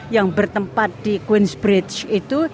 yang bertempat di queens bridge itu